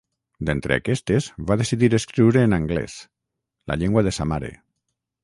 D'entre aquestes, va decidir escriure en anglès, la llengua de sa mare.